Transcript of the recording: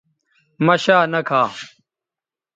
مہ شا نہ کھا